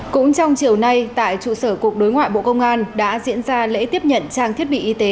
cũng trong chiều nay tại trụ sở cục đối ngoại bộ công an đã diễn ra lễ tiếp nhận trang thiết bị y tế